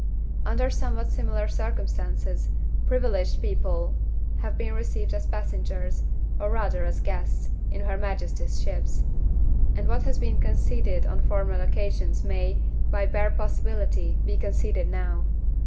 Under somewhat similar circumstances, privileged people have been received as passengers, or rather as guests, in her majesty's ships and what has been conceded on former occasions may, by bare possibility, be conceded now.